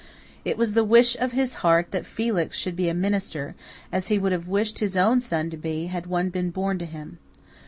It was the wish of his heart that Felix should be a minister, as he would have wished his own son to be, had one been born to him.